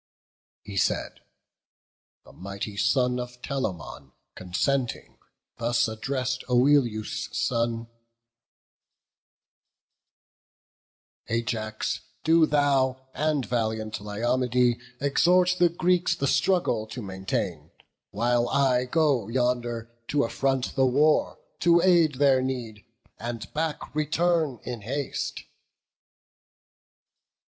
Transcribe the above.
He said: the mighty son of Telamon Consenting, thus addresss'd Oileus' son: "Ajax, do thou and valiant Lyeomede Exhort the Greeks the struggle to maintain; While I go yonder, to affront the war, To aid their need, and back return in haste."